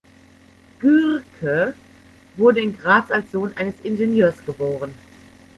Gürke wurde in Graz als Sohn eines Ingenieurs geboren.